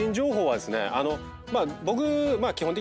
僕。